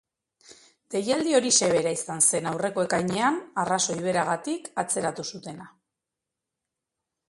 Deialdi horixe bera izan zen aurreko ekainean, arrazoi beragatik, atzeratu zutena.